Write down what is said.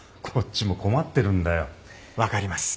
分かります。